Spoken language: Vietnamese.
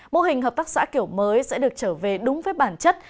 mô hình hợp tác xã kiểu mới sẽ được trở về đúng với bản chất